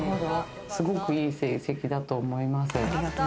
すごくいい成績だと思います。